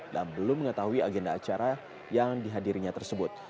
dan belum mengetahui agenda acara yang dihadirinya tersebut